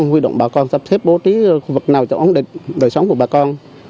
huy động bà con sắp xếp bố trí vật nào cho ổn định đời sống của bà con